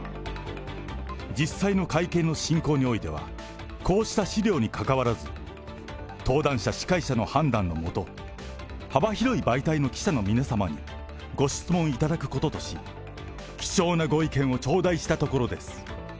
実際の会見の進行においては、こうした資料にかかわらず、登壇者、司会者の判断の下、幅広い媒体の記者の皆様にご質問いただくこととし、貴重なご意見を頂戴したところです。